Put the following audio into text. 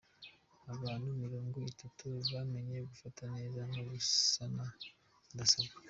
Abantu Mirongo Itatu bamenye gufata neza no gusana mudasobwa